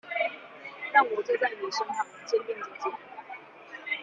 讓我坐在妳身旁，肩並著肩